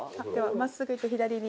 真っすぐ行って左に。